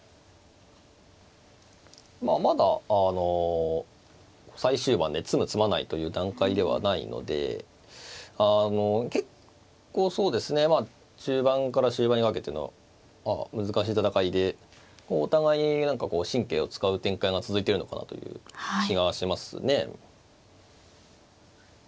まあまだあの最終盤で詰む詰まないという段階ではないのであの結構そうですねまあ中盤から終盤にかけての難しい戦いでお互い何かこう神経を使う展開が続いてるのかなという気がしますね。